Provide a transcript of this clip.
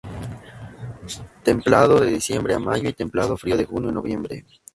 Templado de Diciembre a Mayo y templado frío de Junio a Noviembre.